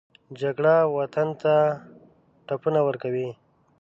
جګړه وطن ته ټپونه ورکوي